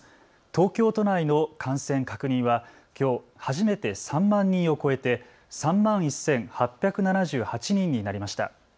東京都内の感染確認はきょう初めて３万人を超えて３万１８７８人になりました。